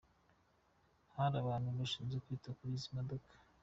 Hari abantu bashinzwe kwita kuri izi modoka.